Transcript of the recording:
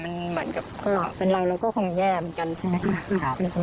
มันเหมือนกับเป็นรังแล้วก็คงแย่เหมือนกันใช่ไหม